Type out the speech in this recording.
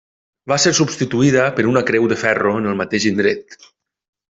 Va ser substituïda per una creu de ferro en el mateix indret.